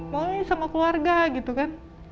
mau nih sama keluarga gitu kan